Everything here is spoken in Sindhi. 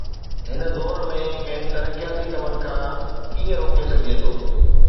هن دور ۾ کين ترقياتي ڪمن کان ڪيئن روڪي سگهجي ٿو؟